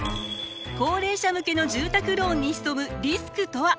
高齢者向けの住宅ローンに潜むリスクとは？